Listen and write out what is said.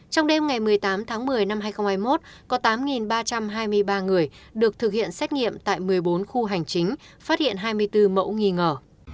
trong đêm ngày một mươi tám tháng một mươi năm hai nghìn hai mươi một có tám ba trăm hai mươi ba người được thực hiện xét nghiệm tại một mươi bốn khu hành chính phát hiện hai mươi bốn mẫu nghi ngờ